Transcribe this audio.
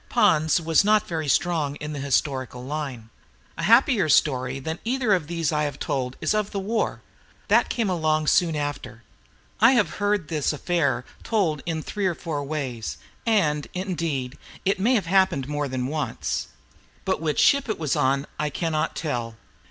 Pons was not very strong in the historical line. A happier story than either of these I have told is of the war. That came along soon after. I have heard this affair told in three or four ways, and, indeed, it may have happened more than once. But which ship it was on I cannot tell.